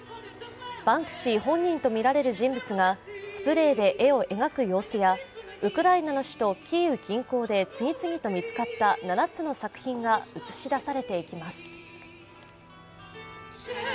バンクシー本人とみられる人物がスプレーで絵を描く様子やウクライナの首都キーウ近郊で次々と見つかった７つの作品が映し出されていきます